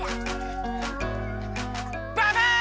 ババン！